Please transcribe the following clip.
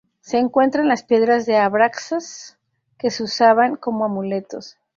Se encuentra en las piedras de abraxas que se usaban como amuletos.